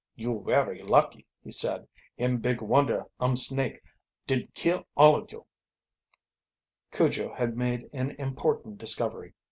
"You werry lucky," he said. "Him big wonder um snake didn't kill all of yo'!" Cujo had made an important discovery.